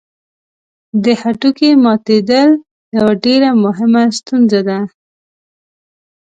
د هډوکي ماتېدل یوه ډېره مهمه ستونزه ده.